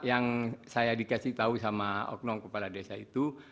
yang saya dikasih tahu sama oknum kepala desa itu